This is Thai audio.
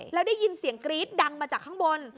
แล้วได้ยินเสียงกรี๊ดดังมาจากข้างบน